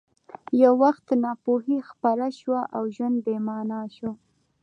یو وخت ناپوهي خپره شوه او ژوند بې مانا شو